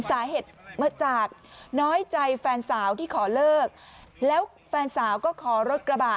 สาเหตุมาจากน้อยใจแฟนสาวที่ขอเลิกแล้วแฟนสาวก็ขอรถกระบะ